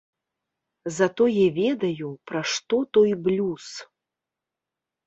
Затое ведаю, пра што той блюз.